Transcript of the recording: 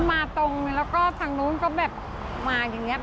มาตรงแล้วก็ทางนู้นก็แบบมาอย่างนี้